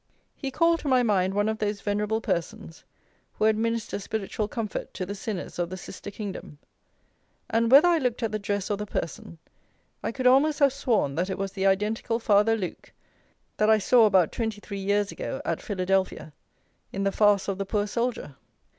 He called to my mind one of those venerable persons, who administer spiritual comfort to the sinners of the "sister kingdom;" and, whether I looked at the dress or the person, I could almost have sworn that it was the identical Father Luke, that I saw about twenty three years ago, at Philadelphia, in the farce of the Poor Soldier.